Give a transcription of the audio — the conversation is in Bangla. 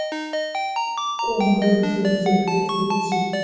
কমোডোর জেনসেনকে খুঁজছি।